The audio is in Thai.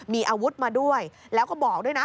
มีอาวุธมาด้วยแล้วก็บอกด้วยนะ